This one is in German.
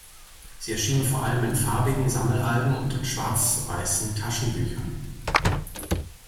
Sie erschienen vor allem in farbigen Sammelalben und in schwarz-weißen Taschenbüchern.